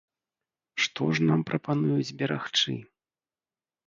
Што ж нам прапануюць берагчы?